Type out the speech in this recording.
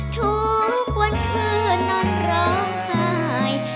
ทุกวันเธอนอนร้องหาย